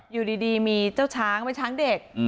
อยู่ดีมีเจ้าช้างเป็นช้างเด็ก